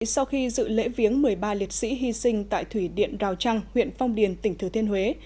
sau khi dự lễ viếng một mươi ba liệt sĩ hy sinh tại thủy điện rào trăng huyện phong điền tỉnh thừa thiên huế